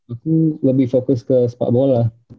aku lebih fokus ke sepak bola